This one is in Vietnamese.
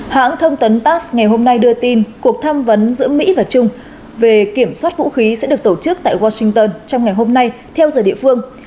hãng thông tấn tass ngày hôm nay đưa tin cuộc tham vấn giữa mỹ và trung về kiểm soát vũ khí sẽ được tổ chức tại washington trong ngày hôm nay theo giờ địa phương